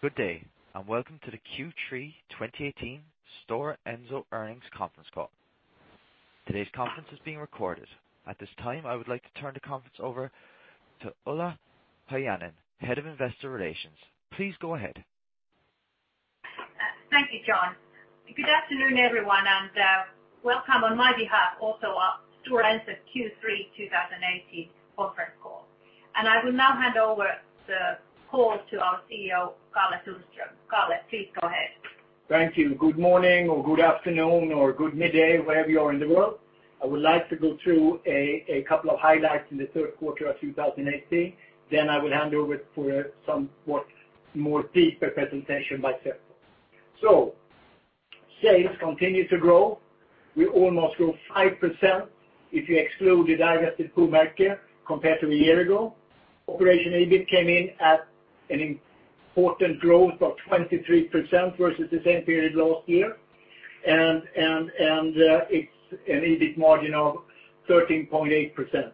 Good day, welcome to the Q3 2018 Stora Enso earnings conference call. Today's conference is being recorded. At this time, I would like to turn the conference over to Ulla Paajanen, Head of Investor Relations. Please go ahead. Thank you, John. Good afternoon, everyone, welcome on my behalf also our Stora Enso Q3 2018 conference call. I will now hand over the call to our CEO, Karl-Henrik Sundström. Karl, please go ahead. Thank you. Good morning or good afternoon or good midday, wherever you are in the world. I would like to go through a couple of highlights in the third quarter of 2018. I will hand over for some more deeper presentation by Seppo. Sales continue to grow. We almost grew 5%, if you exclude the divested Puumerkki, compared to a year ago. Operation EBIT came in at an important growth of 23% versus the same period last year, it's an EBIT margin of 13.8%.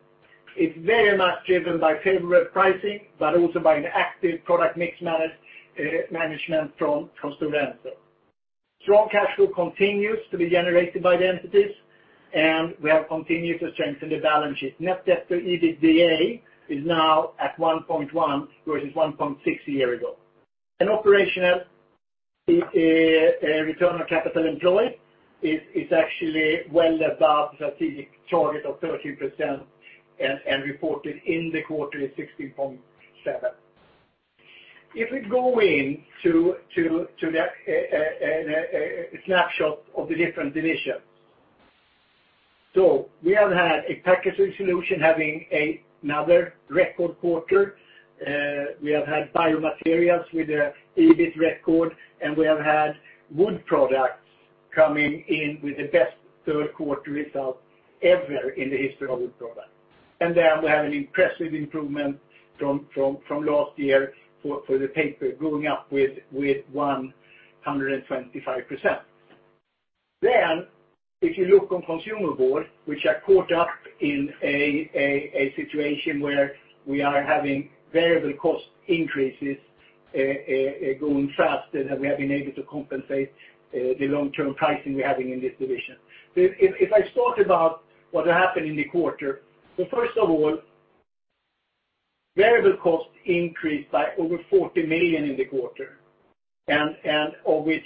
It's very much driven by favorable pricing, but also by an active product mix management from Stora Enso. Strong cash flow continues to be generated by the entities, we have continued to strengthen the balance sheet. Net debt to EBITDA is now at 1.1 versus 1.6 a year ago. Operational return on capital employed is actually well above the strategic target of 13% reported in the quarter is 16.7%. If we go into a snapshot of the different divisions. We have had a Packaging Solutions having another record quarter. We have had Biomaterials with their EBIT record, we have had Wood Products coming in with the best third quarter result ever in the history of Wood Products. We have an impressive improvement from last year for the Paper, going up with 125%. If you look on Consumer Board, which are caught up in a situation where we are having variable cost increases going faster than we have been able to compensate the long-term pricing we're having in this division. If I talk about what happened in the quarter. First of all, variable costs increased by over 40 million in the quarter, of which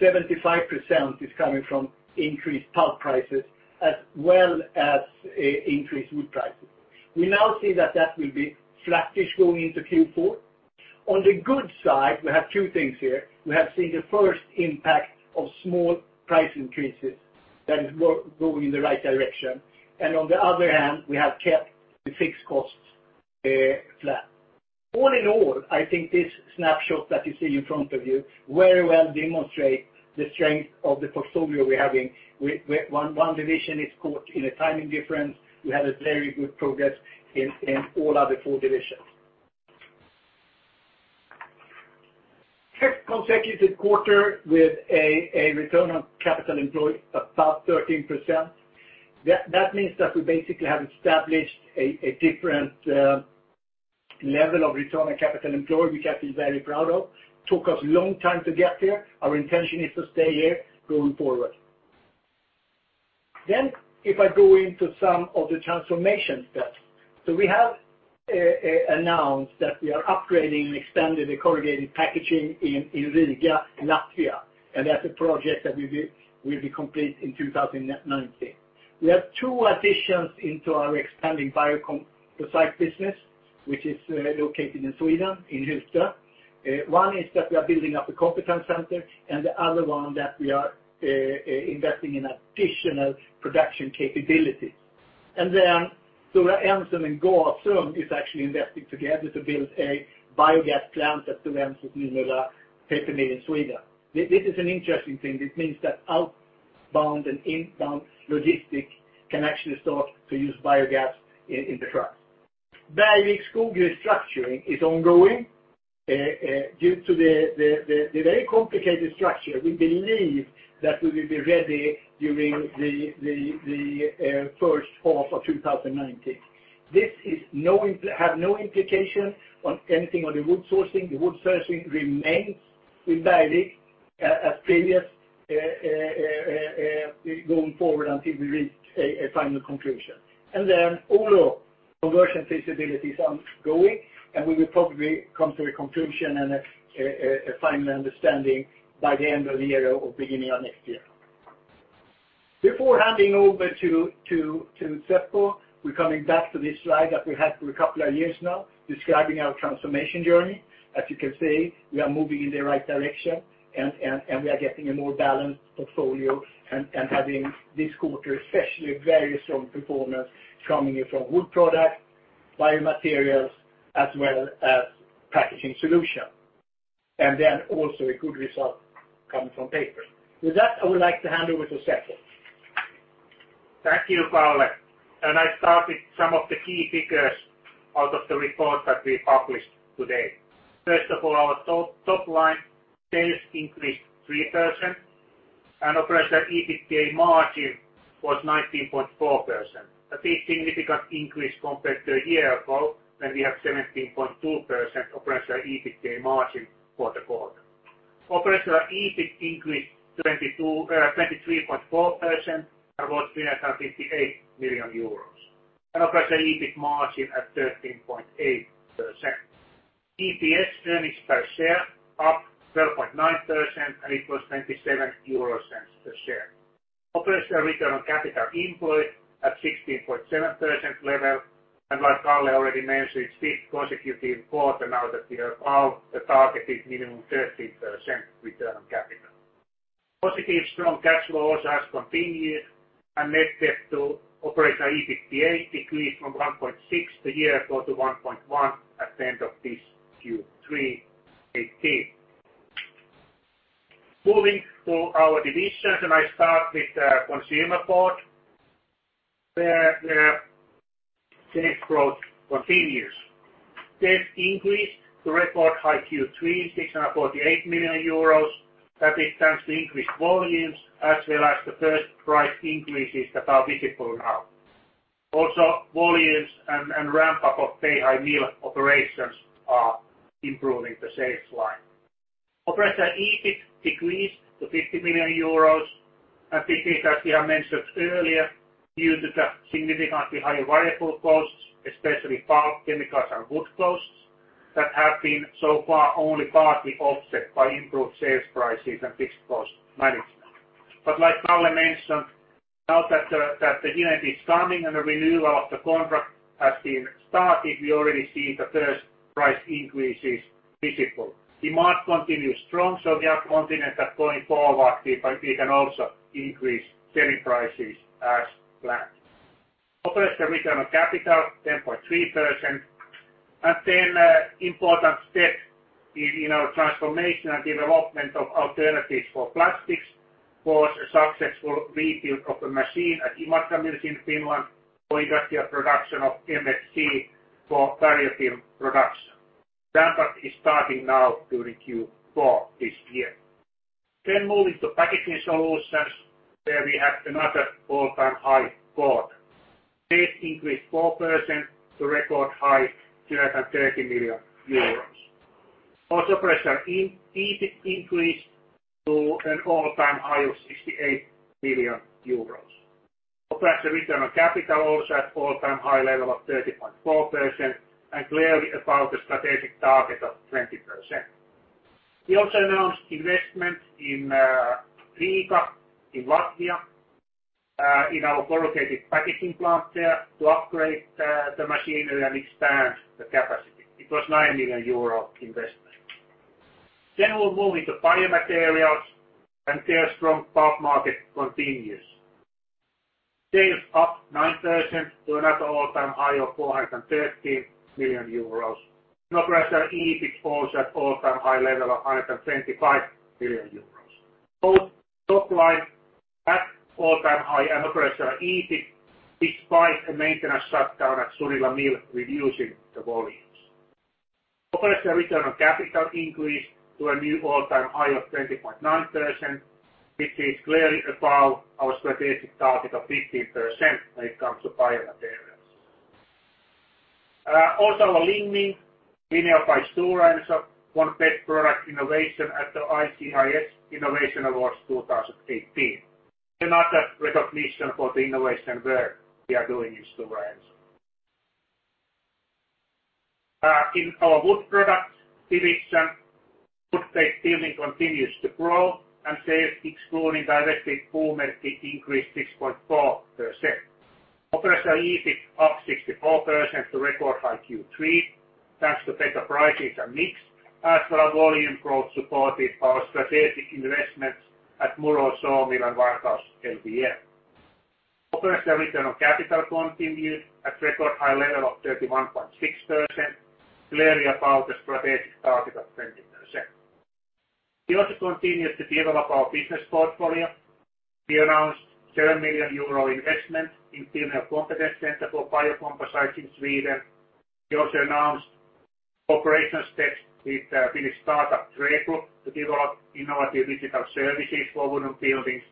75% is coming from increased pulp prices as well as increased wood prices. We now see that that will be flattish going into Q4. On the good side, we have two things here. We have seen the first impact of small price increases that is going in the right direction. On the other hand, we have kept the fixed costs flat. All in all, I think this snapshot that you see in front of you very well demonstrates the strength of the portfolio we're having. One division is caught in a timing difference. We have a very good progress in all other four divisions. Third consecutive quarter with a return on capital employed above 13%. That means that we basically have established a different level of return on capital employed, which I feel very proud of. Took us a long time to get here. Our intention is to stay here going forward. If I go into some of the transformation steps. We have announced that we are upgrading and expanding the corrugated packaging in Riga, Latvia, and that's a project that will be complete in 2019. We have two additions into our expanding biocomposite business, which is located in Sweden, in Hylte. One is that we are building up a competence center, and the other one that we are investing in additional production capability. Stora Enso and Gasum is actually investing together to build a biogas plant at Stora Enso Nymölla paper mill in Sweden. This is an interesting thing. This means that outbound and inbound logistics can actually start to use biogas in the trucks. Bergvik Skog restructuring is ongoing. Due to the very complicated structure, we believe that we will be ready during the first half of 2019. This have no implication on anything on the wood sourcing. The wood sourcing remains with Bergvik as previous, going forward until we reach a final conclusion. Oulu conversion feasibility is ongoing, and we will probably come to a conclusion and a final understanding by the end of the year or beginning of next year. Before handing over to Seppo, we're coming back to this slide that we had for a couple of years now, describing our transformation journey. As you can see, we are moving in the right direction and we are getting a more balanced portfolio and having this quarter, especially very strong performance coming in from wood products, biomaterials, as well as packaging solution. Also a good result coming from paper. With that, I would like to hand over to Seppo. Thank you, Kalle. I start with some of the key figures out of the report that we published today. First of all, our top line sales increased 3%. And operational EBITDA margin was 19.4%. A big significant increase compared to a year ago when we had 17.2% operational EBITDA margin for the quarter. Operational EBIT increased 23.4% and was EUR 358 million. Operational EBIT margin at 13.8%. EPS earnings per share up 12.9%, and it was 0.27 per share. Operational return on capital employed at 16.7% level, and like Kalle already mentioned, fifth consecutive quarter now that we are above the target is minimum 13% return on capital. Positive strong cash flows has continued, and net debt to operational EBITDA decreased from 1.6 the year ago to 1.1 at the end of Q3 2018. Moving to our divisions, I start with the Consumer Board, where the sales growth continues. Sales increased to record high Q3, 648 million euros. That is thanks to increased volumes as well as the first price increases that are visible now. Also, volumes and ramp-up of Beihai mill operations are improving the sales line. Operational EBIT decreased to 50 million euros, and this is, as we have mentioned earlier, due to the significantly higher variable costs, especially pulp, chemicals, and wood costs, that have been so far only partly offset by improved sales prices and fixed cost management. Like Kalle mentioned, now that the unit is starting and the renewal of the contract has been started, we already see the first price increases visible. Demand continues strong, so we are confident that going forward we can also increase selling prices as planned. Operational return on capital, 10.3%. Important step in our transformation and development of alternatives for plastics was a successful rebuild of the machine at Imatra mill in Finland for industrial production of MFC for barrier film production. Ramp-up is starting now during Q4 this year. Moving to packaging solutions, where we had another all-time high quarter. Sales increased 4% to record high 230 million euros. Also operational EBIT increased to an all-time high of 68 million euros. Operational return on capital also at all-time high level of 30.4% and clearly above the strategic target of 20%. We also announced investment in Riga, in Latvia, in our corrugated packaging plant there to upgrade the machinery and expand the capacity. It was 9 million euro investment. We're moving to biomaterials, their strong pulp market continues. Sales up 9% to another all-time high of 413 million euros. Operational EBIT also at all-time high level of 125 million euros. Both top line at all-time high and operational EBIT despite a maintenance shutdown at Sunila mill reducing the volumes. Operational return on capital increased to a new all-time high of 20.9%, which is clearly above our strategic target of 15% when it comes to biomaterials. Also our Lineo by Stora Enso, won Best Product Innovation at the ICIS Innovation Awards 2018. Another recognition for the innovation work we are doing in Stora Enso. In our wood products division, wood-based building continues to grow, sales excluding direct improvements, it increased 6.4%. Operational EBIT up 64% to record high Q3. Thanks to better prices and mix, as well volume growth supported our strategic investments at Murow sawmill and Varkaus LVL. Operational return on capital continued at record high level of 31.6%, clearly above the strategic target of 20%. We also continued to develop our business portfolio. We announced 7 million euro investment in [Sweden] competence center for biocomposites in Sweden. We also announced cooperation steps with Finnish start-up, TRÄ Group, to develop innovative digital services for wooden buildings.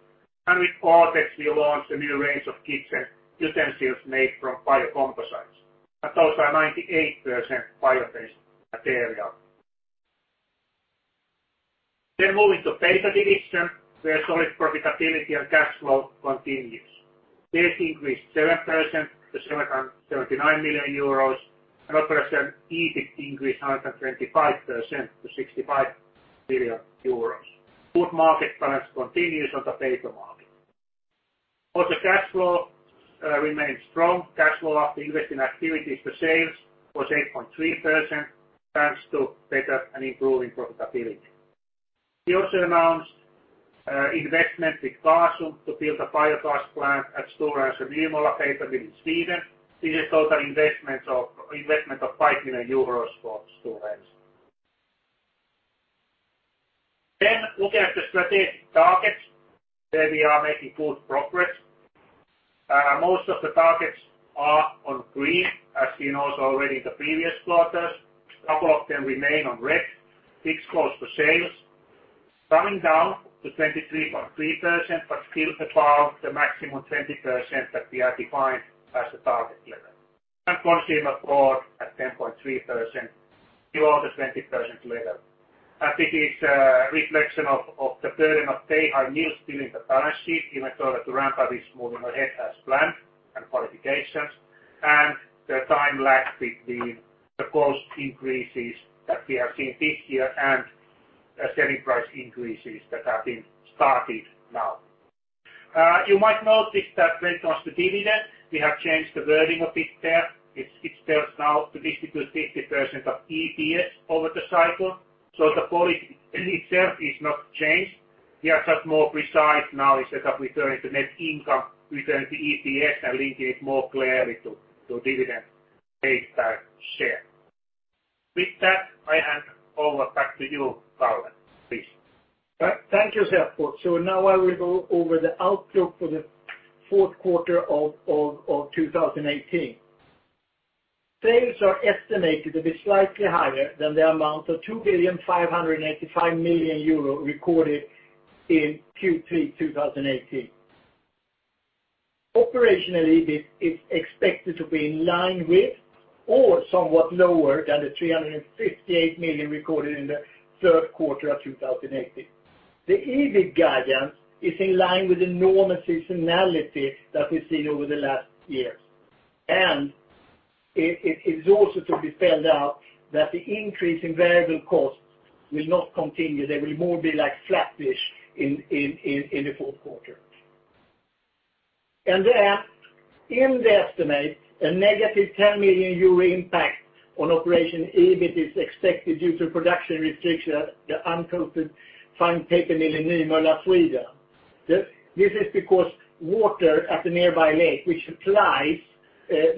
With Orthex, we launched a new range of kitchen utensils made from biocomposites. That's also a 98% bio-based material. Moving to Paper division, where solid profitability and cash flow continues. Sales increased 7% to 779 million euros, operational EBIT increased 125% to 65 million euros. Good market balance continues on the paper market. Cash flow remains strong. Cash flow after investing activities to sales was 8.3% thanks to better and improving profitability. We also announced investment with Gasum to build a biogas plant at Stora Enso Nymölla paper mill in Sweden. This is total investment of 5 million euros for Stora Enso. Looking at the strategic targets, where we are making good progress. Most of the targets are on green, as you know already the previous quarters. A couple of them remain on red. Fixed cost for sales coming down to 23.3%, still above the maximum 20% that we have defined as the target level. Consumer Board at 10.3%, below the 20% level. I think it's a reflection of the burden of Beihai mills still in the balance sheet in order to ramp up this moving ahead as planned and qualifications, the time lag between the cost increases that we have seen this year and selling price increases that have been started now. You might notice that when it comes to dividend, we have changed the wording of it there. It states now to distribute 50% of EPS over the cycle. The policy itself is not changed, we are just more precise now instead of referring to net income, referring to EPS and linking it more clearly to dividend paid per share. With that, I hand over back to you, Kalle, please. Thank you, Seppo. Now I will go over the outlook for the fourth quarter of 2018. Sales are estimated to be slightly higher than the amount of 2,585,000,000 euro recorded in Q3 2018. Operational EBIT is expected to be in line with or somewhat lower than the 358 million recorded in the third quarter of 2018. The EBIT guidance is in line with the normal seasonality that we've seen over the last years, it is also to be spelled out that the increase in variable costs will not continue. They will more be like flat-ish in the fourth quarter. There, in the estimate, a negative 10 million euro impact on operational EBIT is expected due to production restrictions at the uncoated fine paper mill in Nymölla, Sweden. This is because water at the nearby lake, which supplies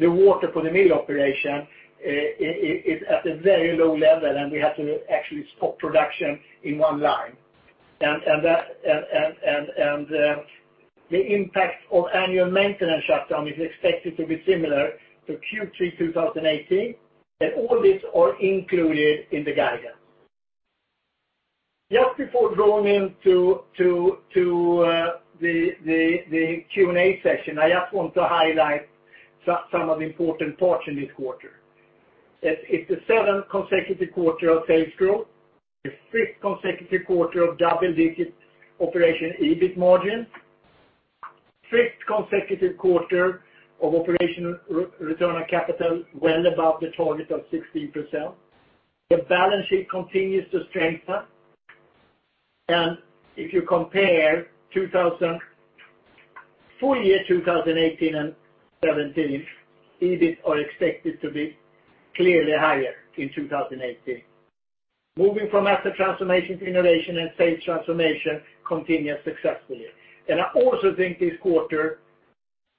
the water for the mill operation, is at a very low level, and we have to actually stop production in one line. The impact of annual maintenance shutdown is expected to be similar to Q3 2018, and all these are included in the guidance. Just before going into the Q&A session, I just want to highlight some of the important parts in this quarter. It's the seventh consecutive quarter of sales growth, the fifth consecutive quarter of double-digit operational EBIT margin, fifth consecutive quarter of operational return on capital well above the target of 16%. The balance sheet continues to strengthen. If you compare full year 2018 and 2017, EBIT are expected to be clearly higher in 2018. Moving from asset transformation to innovation and sales transformation continues successfully. I also think this quarter,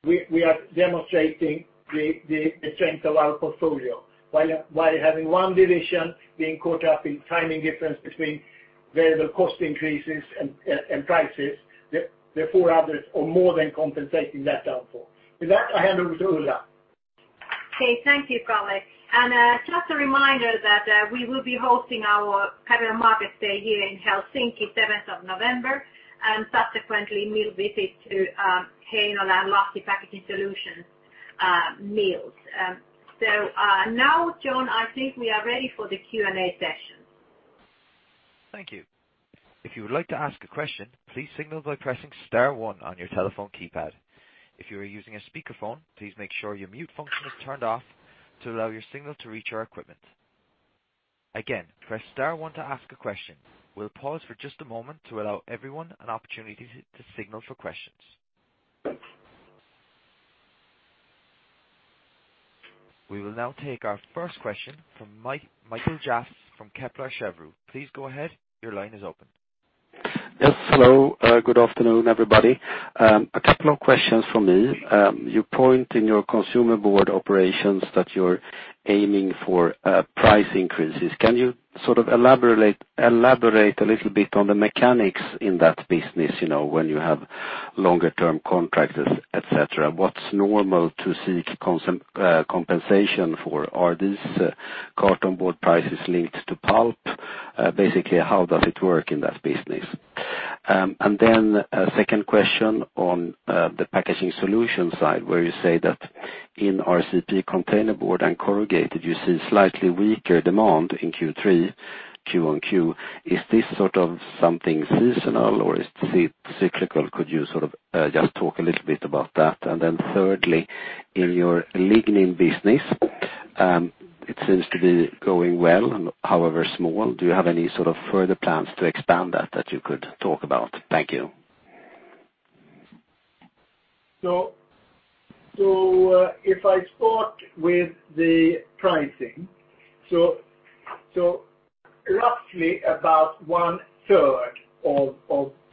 we are demonstrating the strength of our portfolio while having one division being caught up in timing difference between variable cost increases and prices, the four others are more than compensating that downfall. With that, I hand over to Ulla. Okay. Thank you, Kalle. Just a reminder that we will be hosting our Capital Markets Day here in Helsinki, 7th of November, and subsequently mill visits to Heinola and Lahti Packaging Solutions mills. Now, John, I think we are ready for the Q&A session. Thank you. If you would like to ask a question, please signal by pressing star one on your telephone keypad. If you are using a speakerphone, please make sure your mute function is turned off to allow your signal to reach our equipment. Again, press star one to ask a question. We'll pause for just a moment to allow everyone an opportunity to signal for questions. We will now take our first question from Mikael Jafs from Kepler Cheuvreux. Please go ahead. Your line is open. Yes, hello. Good afternoon, everybody. A couple of questions from me. You point in your Consumer Board operations that you're aiming for price increases. Can you elaborate a little bit on the mechanics in that business, when you have longer term contracts, et cetera? What's normal to seek compensation for? Are these carton board prices linked to pulp? Basically, how does it work in that business? A second question on the packaging solution side, where you say that in RCP container board and corrugated, you see slightly weaker demand in Q3 Q on Q. Is this something seasonal or is it cyclical? Could you just talk a little bit about that? Thirdly, in your lignin business, it seems to be going well, however small. Do you have any further plans to expand that you could talk about? Thank you. If I start with the pricing. Roughly about one third of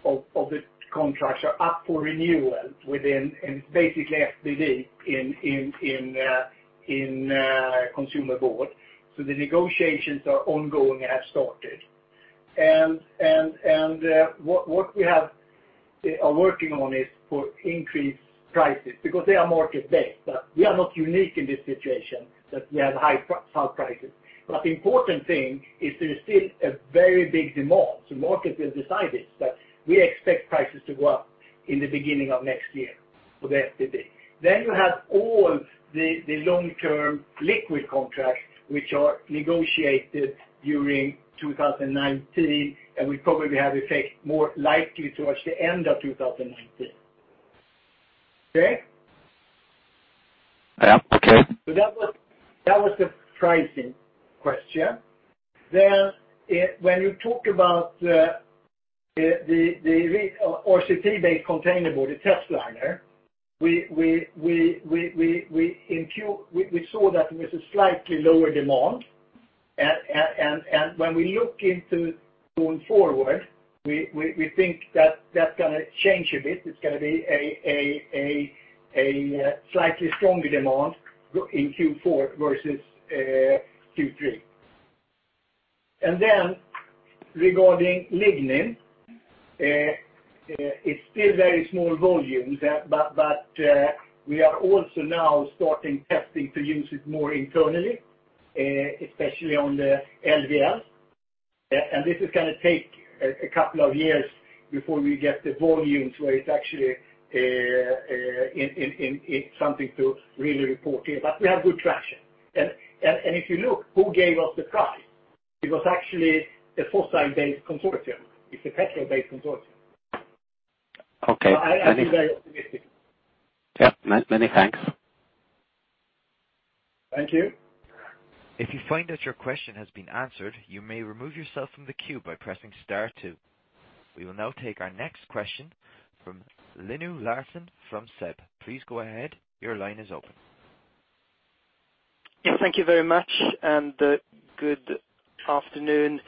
the contracts are up for renewal within, basically FBB in Consumer Board. The negotiations are ongoing and have started. What we are working on is for increased prices because they are market-based. We are not unique in this situation that we have high pulp prices. The important thing is there is still a very big demand. The market will decide it, but we expect prices to go up in the beginning of next year for the FBB. You have all the long-term liquid contracts, which are negotiated during 2019, and will probably have effect more likely towards the end of 2019. Okay? Yeah. Okay. That was the pricing question. When you talk about the RCP-based container board, the test liner, we saw that there was a slightly lower demand. When we look into going forward, we think that's going to change a bit. It's going to be a slightly stronger demand in Q4 versus Q3. Regarding lignin, it's still very small volumes, but we are also now starting testing to use it more internally, especially on the LVL. This is going to take a couple of years before we get the volumes where it's actually something to really report here. We have good traction. If you look who gave us the prize, it was actually a fossil-based consortium. It's a petrol-based consortium. Okay. I feel very optimistic. Yeah. Many thanks. Thank you. If you find that your question has been answered, you may remove yourself from the queue by pressing star two. We will now take our next question from Linus Larsson from SEB. Please go ahead. Your line is open. Thank you very much, and good afternoon.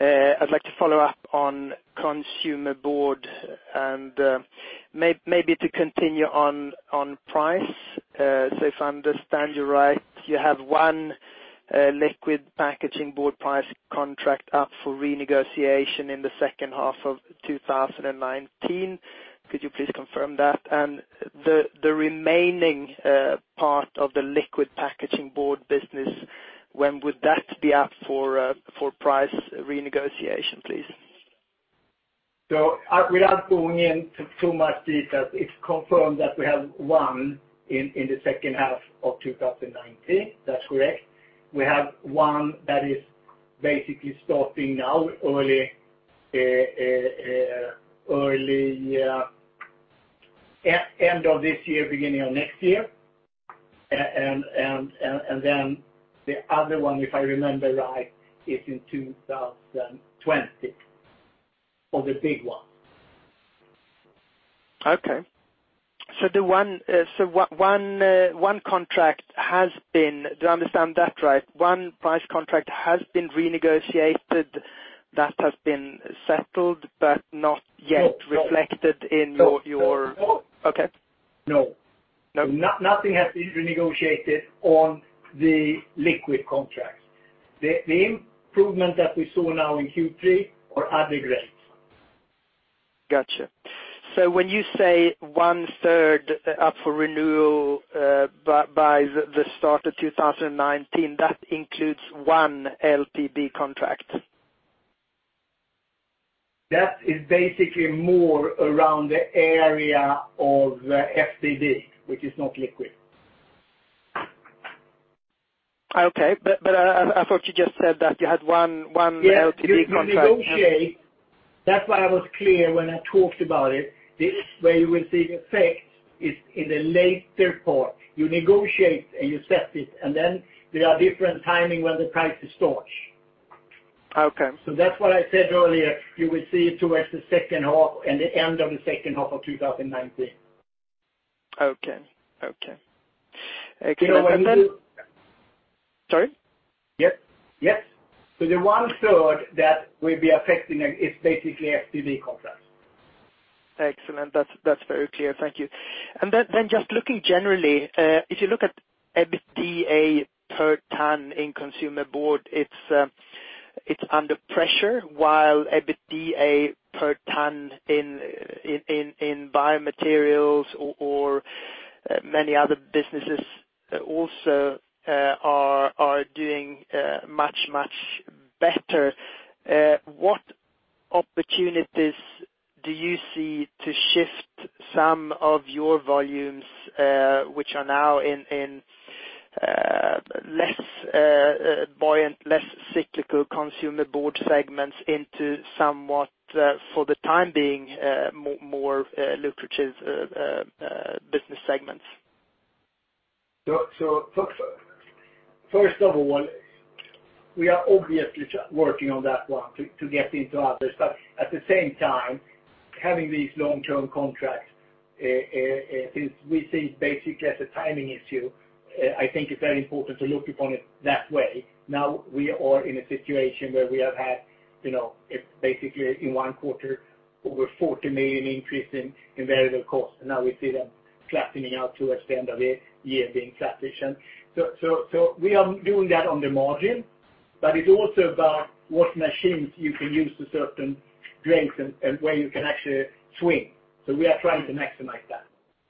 I'd like to follow up on consumer board and maybe to continue on price. If I understand you right, you have one liquid packaging board price contract up for renegotiation in the second half of 2019. Could you please confirm that? The remaining part of the liquid packaging board business, when would that be up for price renegotiation, please? Without going into too much detail, it's confirmed that we have one in the second half of 2019. That's correct. We have one that is basically starting now, end of this year, beginning of next year. The other one, if I remember right, is in 2020, for the big one. Okay. One contract has been, do I understand that right? One price contract has been renegotiated, that has been settled but not yet reflected in your- No. Okay. No. No. Nothing has been renegotiated on the liquid contracts. The improvements that we saw now in Q3 are [added rates]. Got you. When you say one third up for renewal by the start of 2019, that includes one LPB contract? That is basically more around the area of FBB, which is not liquid. Okay. I thought you just said that you had one LPB contract. Yes. You negotiate. That's why I was clear when I talked about it. This is where you will see the effect is in a later part. You negotiate, and you set it, and then there are different timing when the prices start. Okay. That's what I said earlier. You will see towards the second half and the end of the second half of 2019. Okay. Excellent. The other one. Sorry? Yes. The one third that will be affecting is basically FBB contracts. Excellent. That's very clear. Thank you. Just looking generally, if you look at EBITDA per ton in consumer board, it's under pressure while EBITDA per ton in biomaterials or many other businesses also are doing much, much better. What opportunities do you see to shift some of your volumes, which are now in less buoyant, less cyclical consumer board segments into somewhat, for the time being, more lucrative business segments? First of all, we are obviously working on that one to get into others. At the same time, having these long-term contracts, we see it basically as a timing issue. I think it's very important to look upon it that way. Now we are in a situation where we have had, basically in one quarter, over 40 million increase in variable cost, and now we see them flattening out towards the end of the year, being flat-ish. We are doing that on the margin. But it's also about what machines you can use to serve certain drinks and where you can actually swing. We are trying to maximize that.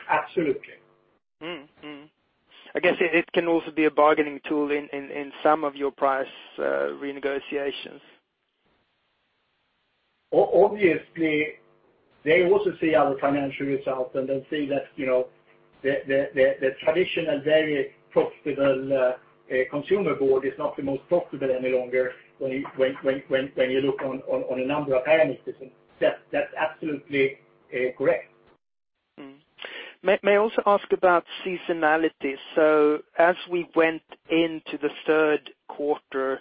Absolutely. I guess it can also be a bargaining tool in some of your price renegotiations. Obviously, they also see our financial results. They'll see that the traditional, very profitable Consumer Board is not the most profitable any longer when you look on a number of parameters, and that's absolutely correct. Mm. May I also ask about seasonality? As we went into the third quarter,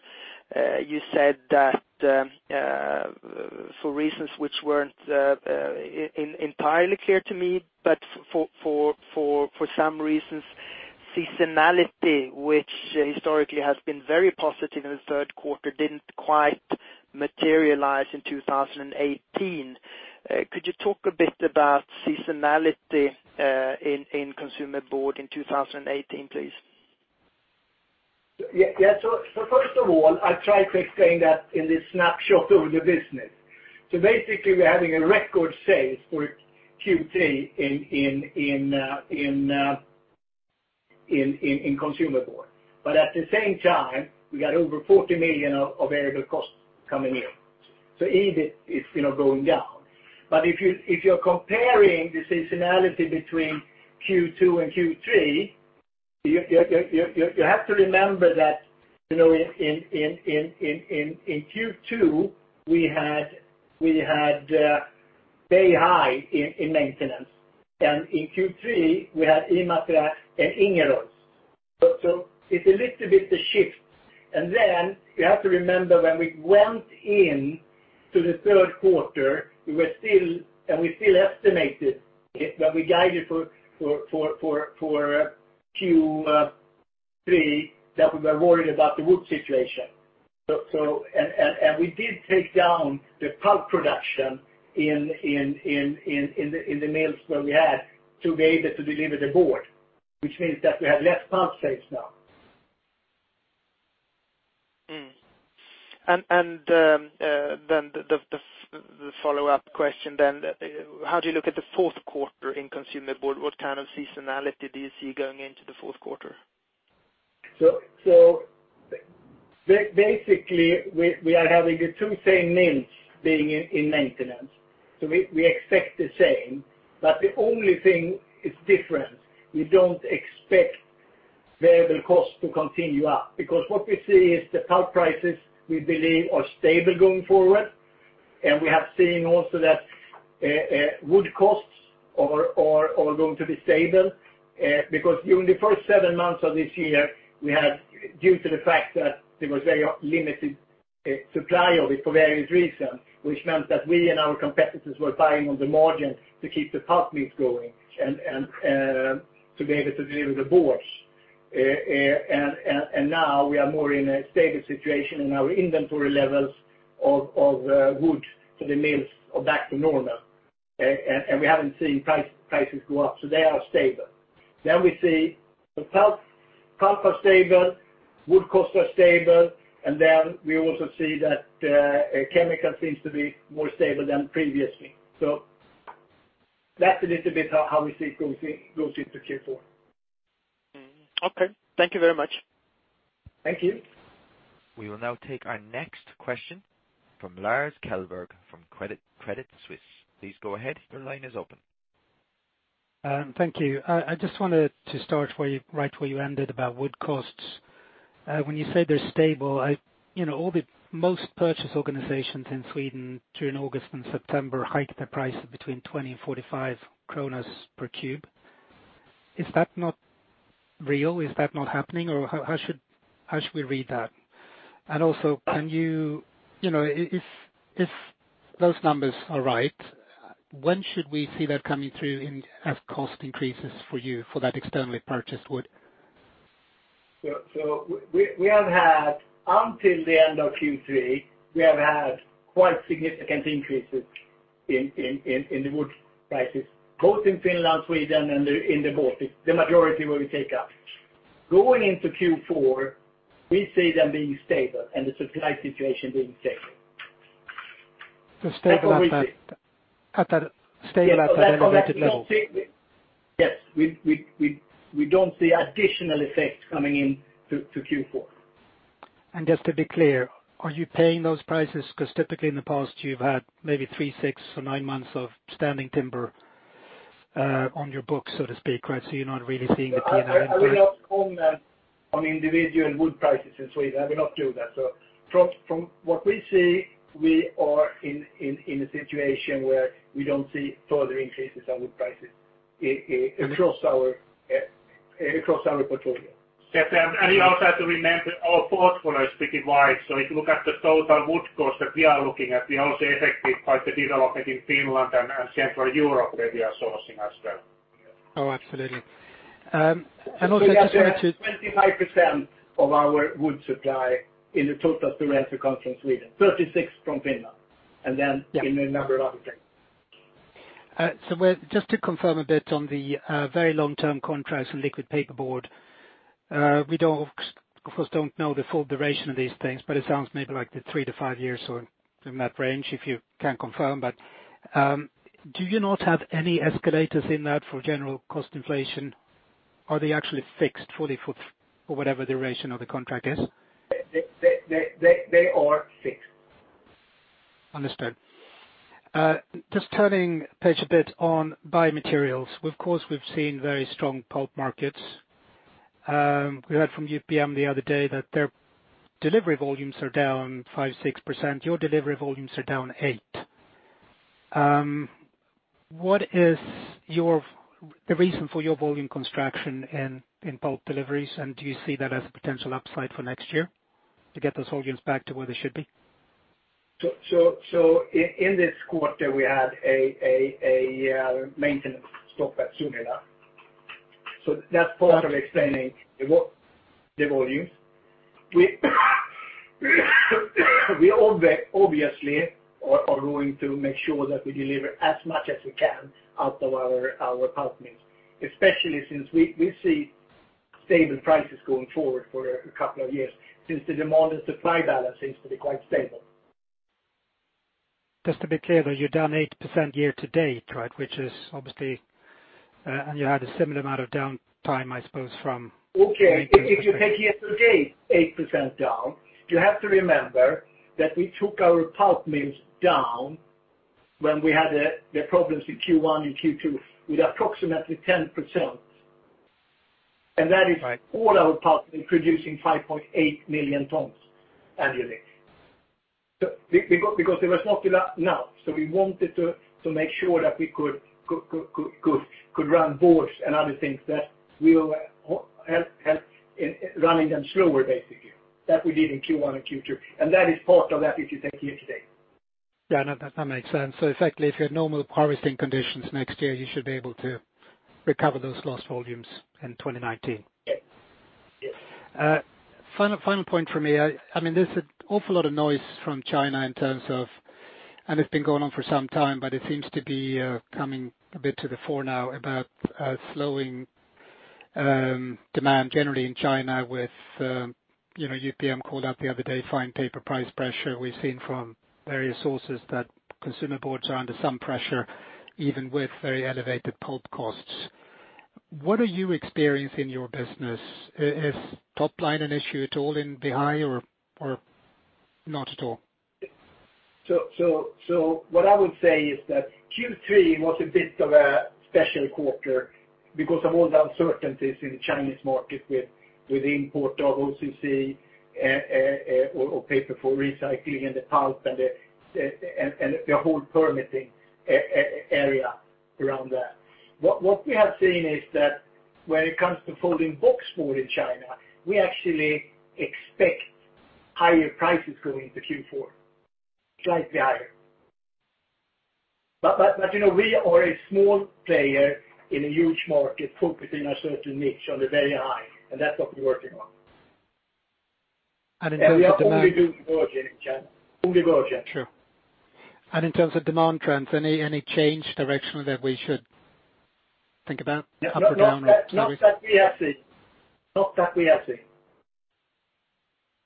you said that for reasons which weren't entirely clear to me, but for some reasons, seasonality, which historically has been very positive in the third quarter, didn't quite materialize in 2018. Could you talk a bit about seasonality in Consumer Board in 2018, please? Yeah. First of all, I tried to explain that in the snapshot of the business. Basically, we're having a record sale for Q3 in Consumer Board. At the same time, we got over 40 million of variable costs coming in. EBIT is going down. If you're comparing the seasonality between Q2 and Q3, you have to remember that, in Q2, we had very high in maintenance, and in Q3, we had Imatra and Ingerois. It's a little bit the shift. Then you have to remember, when we went into the third quarter, and we still estimated when we guided for Q3, that we were worried about the wood situation. We did take down the pulp production in the mills where we had to be able to deliver the board, which means that we have less pulp sales now. Mm. Then the follow-up question then, how do you look at the fourth quarter in Consumer Board? What kind of seasonality do you see going into the fourth quarter? Basically, we are having the two same mills being in maintenance. We expect the same, the only thing is different, we don't expect variable costs to continue up because what we see is the pulp prices we believe are stable going forward, and we have seen also that wood costs are going to be stable because during the first seven months of this year, due to the fact that there was very limited supply of it for various reasons, which meant that we and our competitors were buying on the margin to keep the pulp mills going and to be able to deliver the boards. Now we are more in a stable situation, and our inventory levels of wood for the mills are back to normal. We haven't seen prices go up, they are stable. We see the pulp are stable, wood costs are stable, we also see that chemical seems to be more stable than previously. That's a little bit how we see it goes into Q4. Okay. Thank you very much. Thank you. We will now take our next question from Lars Kjellberg from Credit Suisse. Please go ahead. Your line is open. Thank you. I just wanted to start right where you ended about wood costs. When you say they're stable, most purchase organizations in Sweden during August and September hiked their prices between 20 SEK and 45 kronor per cube. Is that not real? Is that not happening? Or how should we read that? Also, if those numbers are right, when should we see that coming through as cost increases for you for that externally purchased wood? Until the end of Q3, we have had quite significant increases in the wood prices, both in Finland, Sweden, and in the Baltic, the majority where we take up. Going into Q4, we see them being stable and the supply situation being stable. Stable at that. That's what we see. stable at that elevated level? Yes. We don't see additional effects coming in to Q4. Just to be clear, are you paying those prices? Because typically in the past, you've had maybe three, six, or nine months of standing timber on your books, so to speak, right? You're not really seeing the clear input. I will not comment on individual wood prices in Sweden. I will not do that. From what we see, we are in a situation where we don't see further increases on wood prices across our portfolio. You also have to remember our portfolio is pretty wide. If you look at the total wood cost that we are looking at, we are also affected by the development in Finland and Central Europe, where we are sourcing as well. Oh, absolutely. Also, I just wanted to. 25% of our wood supply in the total comes from Sweden, 36% from Finland, and then in a number of other places. Just to confirm a bit on the very long-term contracts for liquid paper board. We of course, don't know the full duration of these things, but it sounds maybe like the three to five years, so in that range, if you can confirm? Do you not have any escalators in that for general cost inflation? Are they actually fixed fully for whatever the duration of the contract is? They are fixed. Understood. Turning page a bit on biomaterials. Of course, we've seen very strong pulp markets. We heard from UPM the other day that their delivery volumes are down 5%-6%. Your delivery volumes are down 8%. What is the reason for your volume contraction in pulp deliveries, and do you see that as a potential upside for next year to get those volumes back to where they should be? In this quarter, we had a maintenance stop at Sunila. That's part of explaining the volumes. We obviously are going to make sure that we deliver as much as we can out of our pulp mills, especially since we see stable prices going forward for a couple of years since the demand and supply balance seems to be quite stable. To be clear, though, you're down 8% year to date, which is obviously You had a similar amount of downtime, I suppose. Okay. If you take year to date, 8% down, you have to remember that we took our pulp mills down when we had the problems in Q1 and Q2 with approximately 10%. Right all our pulp mills producing 5.8 million tons annually. There was not enough. We wanted to make sure that we could run boards and other things that will help in running them slower, basically. That we did in Q1 and Q2. That is part of that if you take year to date. Yeah, that makes sense. Effectively, if you had normal harvesting conditions next year, you should be able to recover those lost volumes in 2019. Yes. Final point for me. There's an awful lot of noise from China, and it's been going on for some time, but it seems to be coming a bit to the fore now about slowing demand generally in China with UPM called out the other day, fine paper price pressure. We've seen from various sources that consumer boards are under some pressure, even with very elevated pulp costs. What are you experiencing in your business? Is top line an issue at all in Beihai or not at all? What I would say is that Q3 was a bit of a special quarter because of all the uncertainties in the Chinese market with import of OCC or paper for recycling and the pulp and the whole permitting area around that. What we have seen is that when it comes to Folding Boxboard in China, we actually expect higher prices going into Q4, slightly higher. We are a small player in a huge market focusing on a certain niche on the very high, and that's what we're working on. In terms of demand. We are only virgin in China. Only virgin. True. In terms of demand trends, any change directionally that we should think about, up or down? Not that we have seen.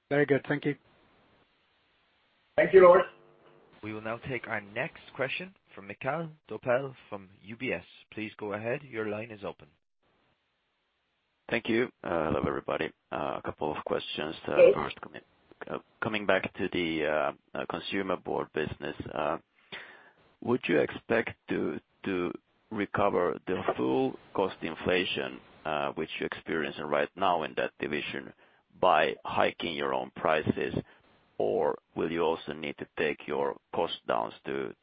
Very good. Thank you. Thank you, Lars. We will now take our next question from Mikael Doepel from UBS. Please go ahead. Your line is open. Thank you. Hello, everybody. A couple of questions. Hey. Coming back to the consumer board business. Would you expect to recover the full cost inflation, which you're experiencing right now in that division, by hiking your own prices? Or will you also need to take your cost downs to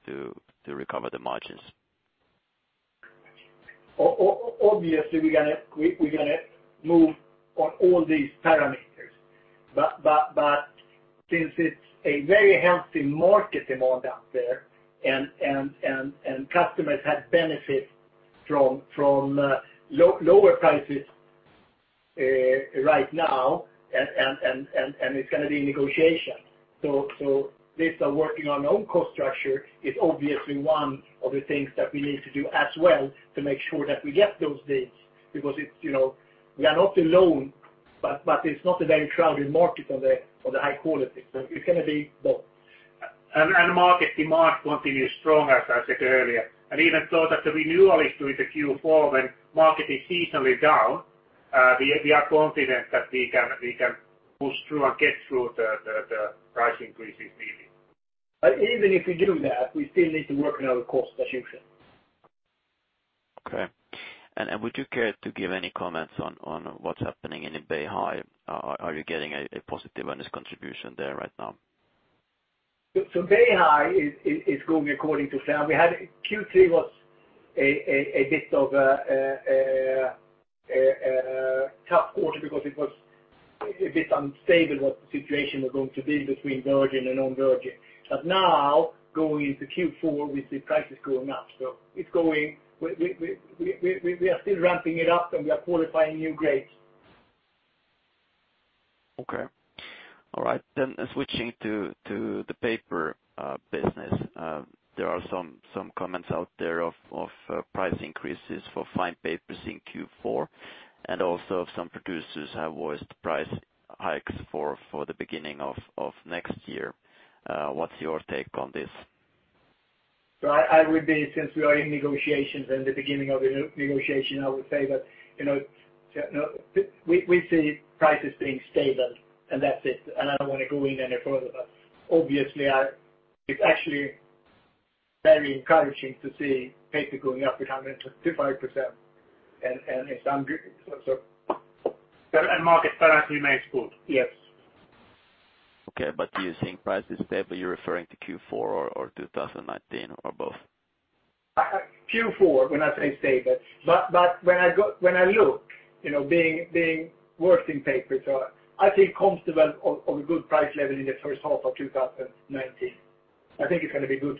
recover the margins? Obviously, we're going to move on all these parameters. Since it's a very healthy market demand out there, customers have benefit from lower prices right now, it's going to be negotiation. This working on own cost structure is obviously one of the things that we need to do as well to make sure that we get those deals, because we are not alone, but it's not a very crowded market on the high quality. It's going to be both. Market demand continues strong, as I said earlier. Even so that the renewal is during the Q4 when market is seasonally down, we are confident that we can push through and get through the price increases we need. Even if we do that, we still need to work on our cost assumption. Okay. Would you care to give any comments on what's happening in Beihai? Are you getting a positive on this contribution there right now? Beihai is going according to plan. Q3 was a bit of a tough quarter because it was a bit unstable what the situation was going to be between virgin and non-virgin. Now, going into Q4, we see prices going up. We are still ramping it up, and we are qualifying new grades Okay. All right, switching to the paper business. There are some comments out there of price increases for fine papers in Q4, and also some producers have voiced price hikes for the beginning of next year. What's your take on this? Since we are in negotiations, in the beginning of the negotiation, I would say that we see prices being stable, and that's it. I don't want to go in any further. Obviously, it's actually very encouraging to see paper going up 125%, and it sounds good. Market demand remains good, yes. Okay. You're seeing prices stable, you're referring to Q4 or 2019, or both? Q4, when I say stable. When I look, being worse in paper. I think comfortable on a good price level in the first half of 2019. I think it's going to be good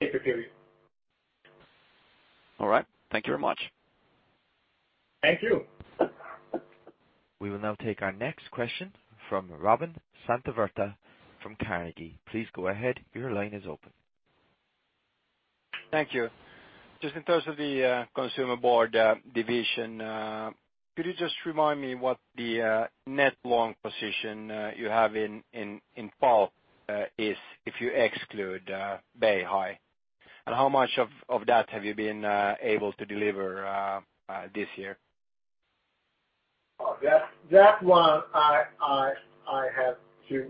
paper period. All right. Thank you very much. Thank you. We will now take our next question from Robin Santavirta from Carnegie. Please go ahead. Your line is open. Thank you. Just in terms of the consumer board division, could you just remind me what the net long position you have in pulp is, if you exclude Beihai? How much of that have you been able to deliver this year? That one I have to,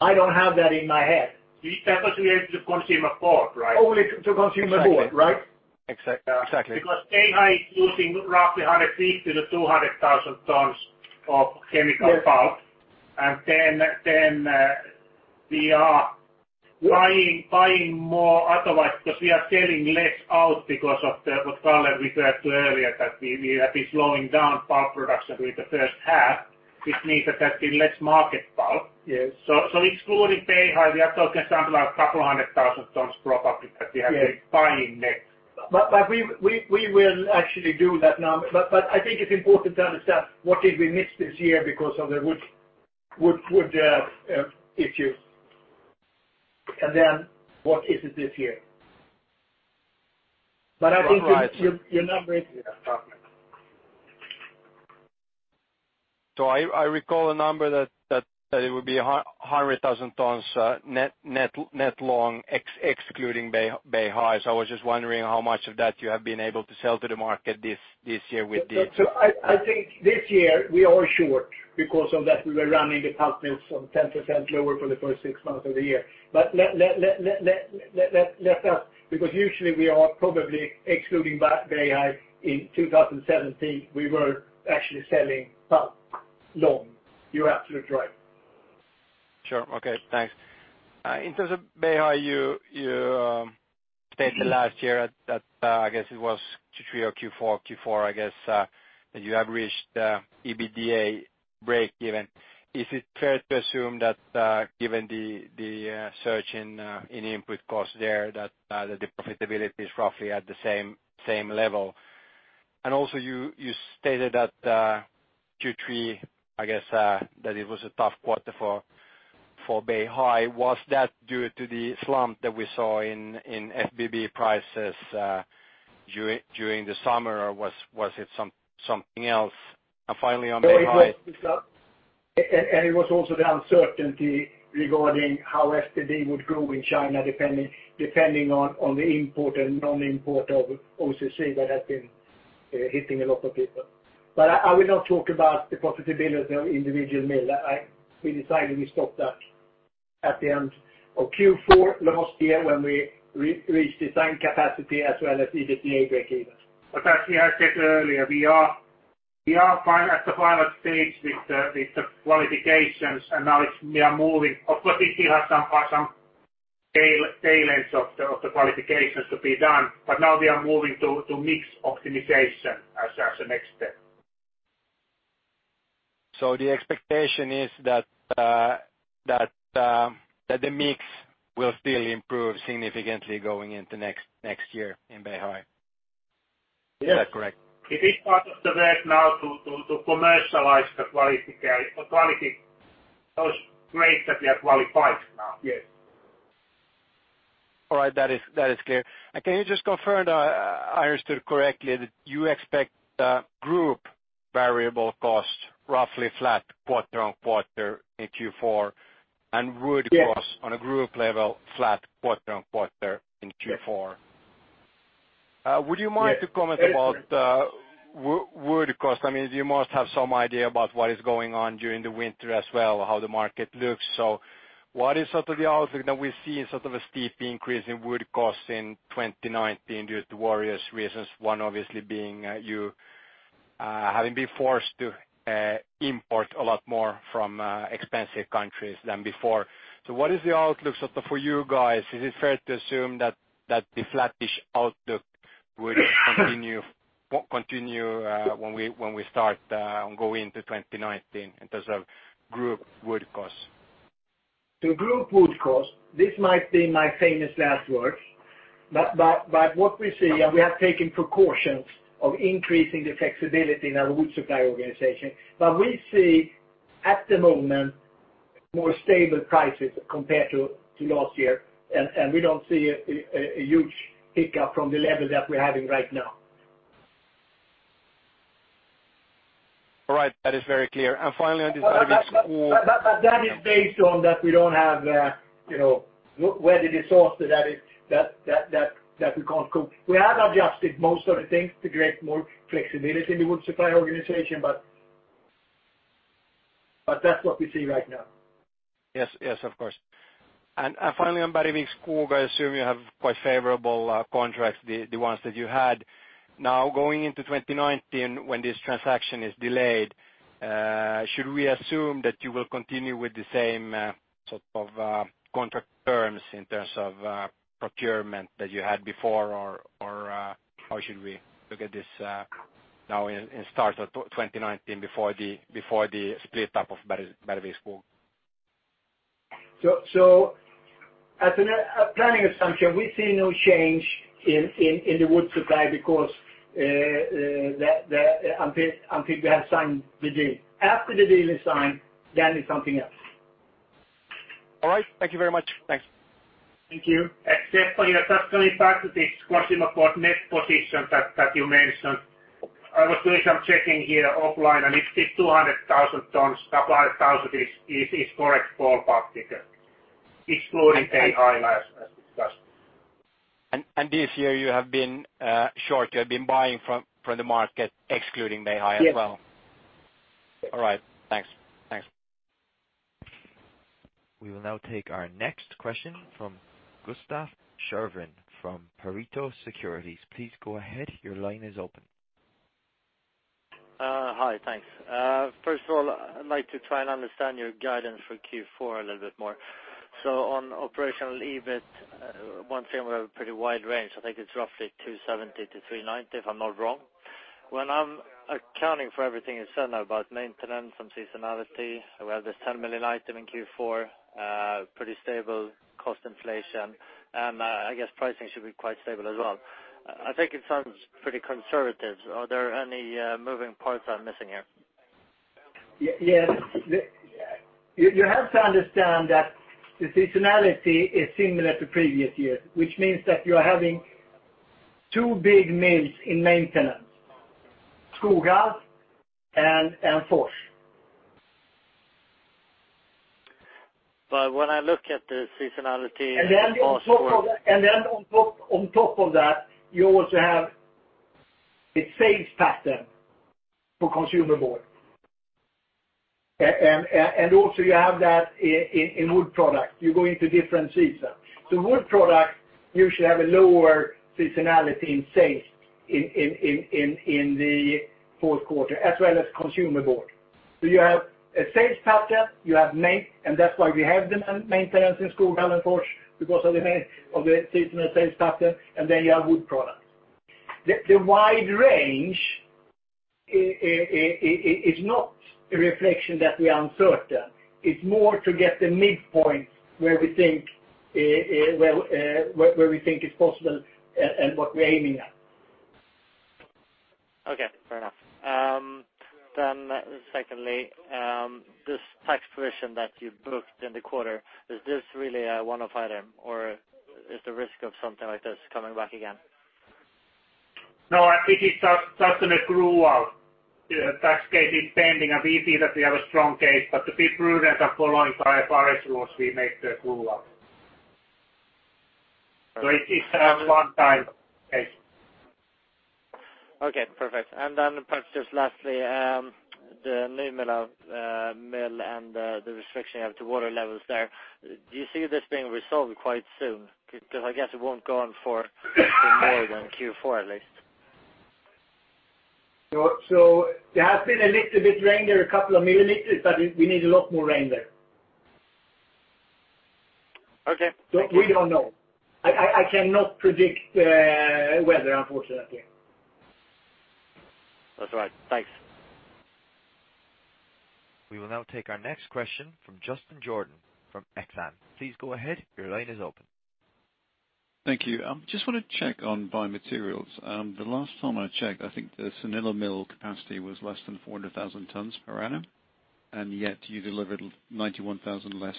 I don't have that in my head. That was related to consumer board, right? Only to consumer board, right? Exactly. Beihai is using roughly 150,000-200,000 tons of chemical pulp. We are buying more otherwise, because we are selling less out because of what Kalle referred to earlier, that we have been slowing down pulp production during the first half, which means that there's been less market pulp. Yes. Excluding Beihai, we are talking something like a couple 100,000 tons probably that we have been buying net. We will actually do that now. I think it's important to understand what did we miss this year because of the wood issues. What is it this year? I think you're not making a statement. I recall a number that it would be 100,000 tons net long excluding Beihai. I was just wondering how much of that you have been able to sell to the market this year. I think this year we are short because of that we were running the pulp mills some 10% lower for the first six months of the year. Let us, because usually we are probably excluding Beihai, in 2017, we were actually selling pulp long. You're absolutely right. Sure. Okay. Thanks. In terms of Beihai, you stated last year at, I guess it was Q3 or Q4, I guess, that you have reached the EBITDA break-even. Is it fair to assume that given the surge in input cost there that the profitability is roughly at the same level? You stated that Q3, I guess, that it was a tough quarter for Beihai. Was that due to the slump that we saw in FBB prices during the summer, or was it something else? Finally on Beihai- It was also the uncertainty regarding how FBB would grow in China depending on the import and non-import of OCC that has been hitting a lot of people. I will not talk about the profitability of individual mill. We decided we stop that at the end of Q4 last year when we reached design capacity as well as EBITDA break-evens. As he has said earlier, we are fine at the pilot stage with the qualifications. Now we are moving. Of course, we still have some tail ends of the qualifications to be done. Now we are moving to mix optimization as the next step. The expectation is that the mix will still improve significantly going into next year in Beihai. Yes. Is that correct? It is part of the work now to commercialize those grades that we have qualified now. Yes. All right. That is clear. Can you just confirm that I understood correctly that you expect group variable cost roughly flat quarter-on-quarter in Q4, and wood- Yes costs on a group level, flat quarter-on-quarter in Q4? Yes. Would you mind to comment about the wood cost? I mean, you must have some idea about what is going on during the winter as well, how the market looks. What is sort of the outlook that we see in sort of a steep increase in wood costs in 2019 due to various reasons? One obviously being you having been forced to import a lot more from expensive countries than before. What is the outlook sort of for you guys? Is it fair to assume that the flattish outlook would continue when we start going into 2019 in terms of group wood costs? To group wood cost, this might be my famous last words, but what we see, and we have taken precautions of increasing the flexibility in our wood supply organization. We see at the moment, more stable prices compared to last year, and we don't see a huge pickup from the level that we're having right now. All right. That is very clear. Finally, on this. That is based on that we don't have [weather resource that we can't cope. We have adjusted most of the things to create more flexibility in the wood supply organization, but that's what we see right now. Yes, of course. Finally, on BillerudKorsnäs, I assume you have quite favorable contracts, the ones that you had. Going into 2019 when this transaction is delayed, should we assume that you will continue with the same sort of contract terms in terms of procurement that you had before? How should we look at this now in start of 2019 before the split up of BillerudKorsnäs? As a planning assumption, we see no change in the wood supply because until we have signed the deal. After the deal is signed, that is something else. All right. Thank you very much. Thanks. Thank you. Except for your touch going back to this question about net position that you mentioned. I was doing some checking here offline, and it is 200,000 tons. 200,000 is correct for [pulp mix excluding AI] as discussed. This year you have been short, you have been buying from the market excluding Beihai as well? Yes. All right. Thanks. We will now take our next question from Gustav Sherwin from Pareto Securities. Please go ahead. Your line is open. Hi, thanks. First of all, I'd like to try and understand your guidance for Q4 a little bit more. On operational EBIT, one thing we have a pretty wide range. I think it's roughly 270-390, if I'm not wrong. When I'm accounting for everything you said now about maintenance and seasonality, we have this 10 million item in Q4, pretty stable cost inflation, and I guess pricing should be quite stable as well. I think it sounds pretty conservative. Are there any moving parts I'm missing here? Yes. You have to understand that the seasonality is similar to previous years, which means that you are having two big mills in maintenance, Skoghall and Fors. When I look at the seasonality. On top of that, you also have the sales pattern for consumer board. You have that in wood product. You go into different season. Wood product usually have a lower seasonality in sales in the fourth quarter, as well as consumer board. You have a sales pattern, you have main, and that's why we have the maintenance in Skoghall and Fors because of the seasonal sales pattern, and then you have wood product. The wide range is not a reflection that we are uncertain. It's more to get the midpoint where we think it's possible and what we're aiming at. Okay. Fair enough. Secondly, this tax provision that you booked in the quarter, is this really a one-off item or is there risk of something like this coming back again? No, I think it's just going to true out. The tax case is pending, and we see that we have a strong case, but to be prudent and following IFRS rules, we make the true out. It is a one time case. Okay, perfect. Perhaps just lastly, the Sunila mill and the restriction you have to water levels there. Do you see this being resolved quite soon? Because I guess it won't go on for more than Q4, at least. There has been a little bit rain there, a couple of milliliters, but we need a lot more rain there. Okay. We don't know. I cannot predict weather, unfortunately. That's all right. Thanks. We will now take our next question from Justin Jordan from Exane. Please go ahead. Your line is open. Thank you. Just want to check on Biomaterials. The last time I checked, I think the Sunila mill capacity was less than 400,000 tons per annum, yet you delivered 91,000 less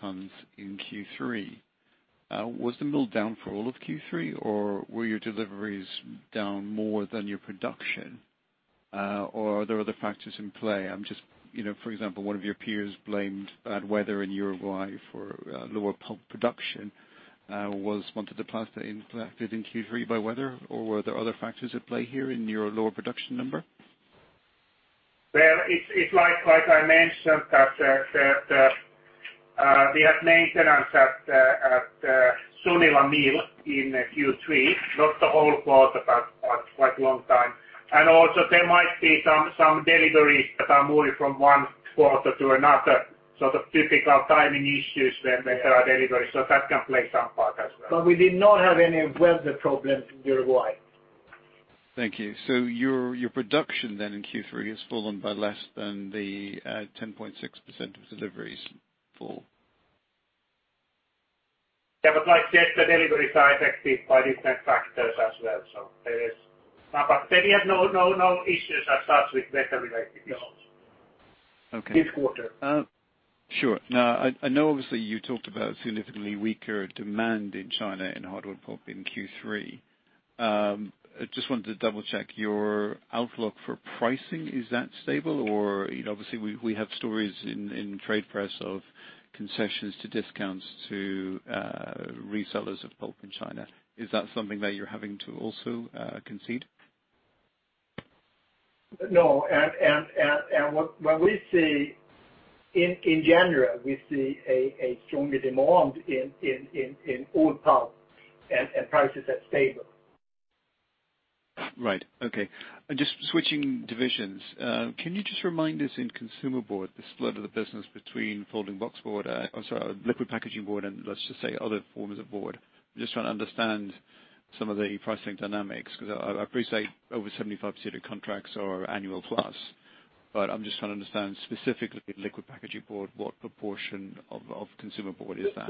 tons in Q3. Was the mill down for all of Q3, or were your deliveries down more than your production? Are there other factors in play? For example, one of your peers blamed bad weather in Uruguay for lower pulp production. Was Montes del Plata impacted in Q3 by weather, or were there other factors at play here in your lower production number? It's like I mentioned that we had maintenance at Sunila mill in Q3, not the whole quarter, but quite long time. There might be some deliveries that are moving from one quarter to another, sort of typical timing issues when there are deliveries. That can play some part as well. We did not have any weather problems in Uruguay. Thank you. Your production in Q3 has fallen by less than the 10.6% of deliveries fall. Yeah, like I said, the deliveries are affected by different factors as well. We have no issues as such with weather-related issues. Okay this quarter. Sure. I know obviously you talked about significantly weaker demand in China, in hardwood pulp in Q3. I just wanted to double-check your outlook for pricing. Is that stable or obviously we have stories in trade press of concessions to discounts to resellers of pulp in China. Is that something that you're having to also concede? No. What we see in general, we see a stronger demand in own pulp and prices are stable. Right. Okay. Just switching divisions. Can you just remind us in consumer board, the split of the business between Folding Boxboard, I'm sorry, liquid packaging board and let's just say other forms of board. I'm just trying to understand some of the pricing dynamics because I appreciate over 75% of contracts are annual plus. I'm just trying to understand specifically liquid packaging board, what proportion of consumer board is that?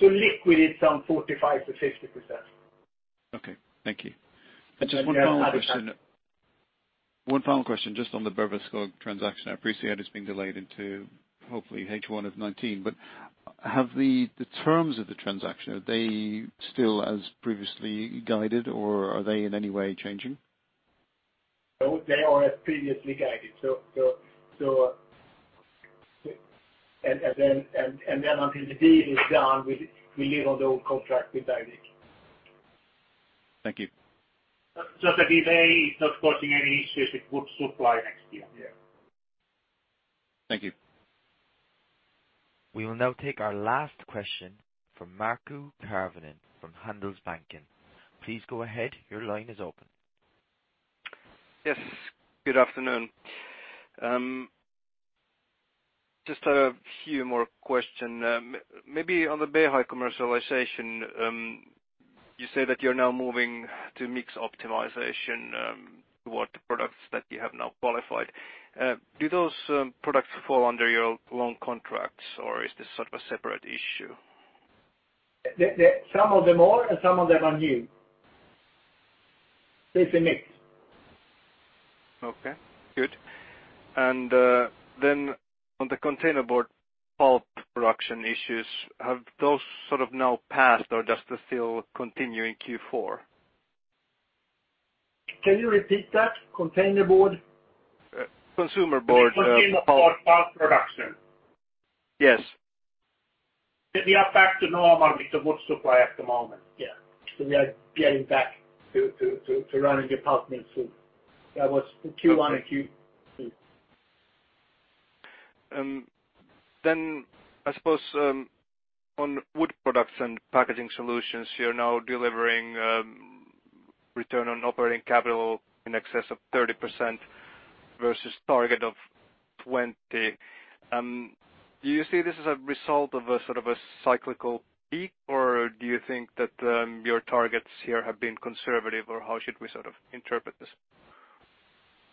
To liquid, it's some 45%-50%. Okay. Thank you. One final question just on the Bergvik Skog transaction. I appreciate it's being delayed into hopefully H1 of 2019, have the terms of the transaction, are they still as previously guided or are they in any way changing? No, they are as previously guided. Until the deal is done, we live on the old contract with Bergvik. Thank you. Just a delay. It's not causing any issues with wood supply next year. Yeah. Thank you. We will now take our last question from Marko Karvonen from Handelsbanken. Please go ahead. Your line is open. Yes. Good afternoon. Just a few more question. Maybe on the Beihai commercialization, you say that you're now moving to mix optimization, what products that you have now qualified, do those products fall under your long contracts or is this sort of a separate issue? Some of them are and some of them are new. It's a mix. Okay, good. On the container board pulp production issues, have those sort of now passed or does this still continue in Q4? Can you repeat that? Container board? Consumer board. Consumer board pulp production yes. We are back to normal with the wood supply at the moment. Yeah. We are getting back to running at maximum soon. That was Q1 and Q2. I suppose, on wood products and packaging solutions, you're now delivering return on operating capital in excess of 30% versus target of 20%. Do you see this as a result of a cyclical peak, or do you think that your targets here have been conservative, or how should we interpret this?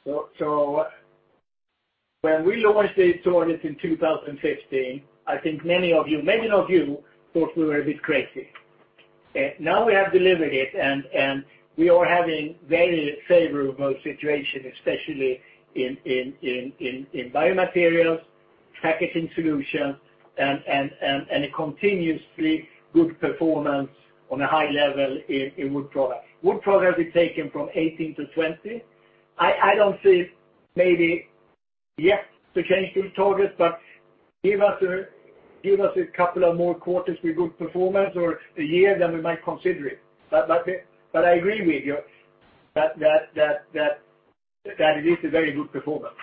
When we launched these targets in 2015, I think many of you thought we were a bit crazy. Now we have delivered it, and we are having very favorable situation, especially in biomaterials, packaging solution, and a continuously good performance on a high level in wood products. Wood products we've taken from 18% to 20%. I don't see maybe yet to change these targets, give us a couple of more quarters with good performance or a year, then we might consider it. I agree with you that it is a very good performance.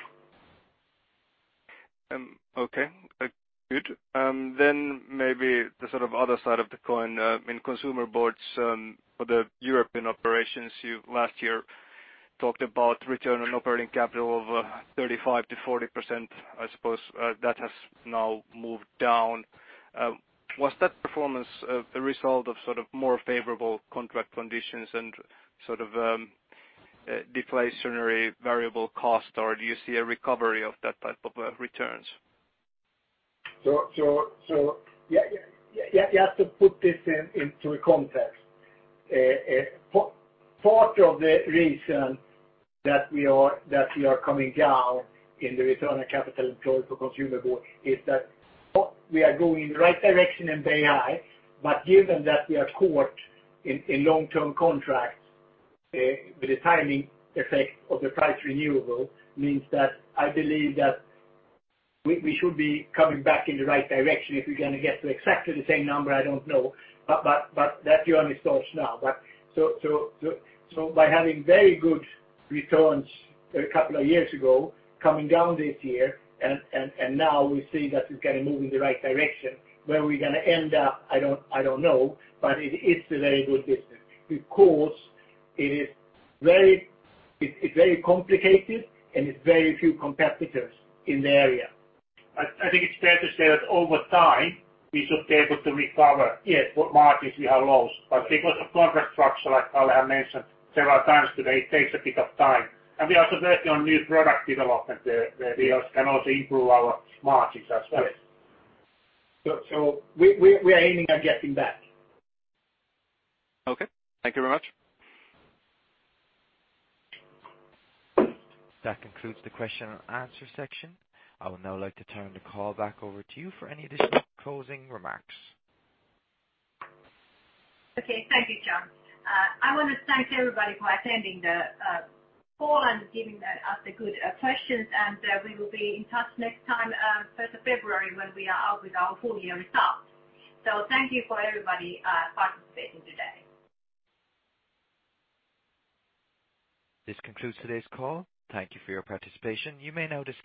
Okay. Good. Maybe the other side of the coin, in consumer boards for the European operations, you last year talked about return on operating capital of 35%-40%. I suppose that has now moved down. Was that performance a result of more favorable contract conditions and deflationary variable cost, or do you see a recovery of that type of returns? You have to put this into a context. Part of the reason that we are coming down in the return on capital employed for consumer board is that we are going in the right direction in Beihai, but given that we are caught in long-term contracts, the timing effect of the price renewable means that I believe that we should be coming back in the right direction. If we're going to get to exactly the same number, I don't know. That's the only source now. By having very good returns a couple of years ago, coming down this year, and now we see that it's going to move in the right direction. Where we're going to end up, I don't know, but it's a very good business because it's very complicated and it's very few competitors in the area. I think it's fair to say that over time, we should be able to recover Yes what margins we have lost. Because of contract structure, like Kalle has mentioned several times today, it takes a bit of time. We are also working on new product development where we can also improve our margins as well. Yes. We are aiming at getting back. Okay. Thank you very much. That concludes the question and answer section. I would now like to turn the call back over to you for any additional closing remarks. Okay. Thank you, John. I want to thank everybody for attending the call and giving us the good questions. We will be in touch next time, 1st of February, when we are out with our full year results. Thank you for everybody participating today. This concludes today's call. Thank you for your participation. You may now disconnect.